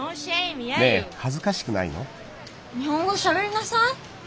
日本語しゃべりなさい！